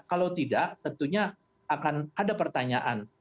kalau tidak tentunya akan ada pertanyaan